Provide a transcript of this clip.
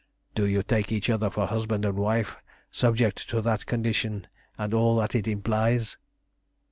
Do you take each other for husband and wife subject to that condition and all that it implies?"